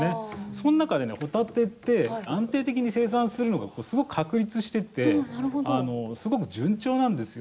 その中で、ホタテって安定的に生産するのがすごく確立しててすごく順調なんですよ。